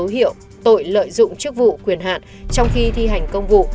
hành vi của đoàn vĩnh nam có dấu hiệu tội lợi dụng chức vụ quyền hạn trong khi thi hành công vụ